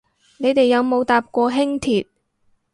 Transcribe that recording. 你哋有冇搭過輕鐵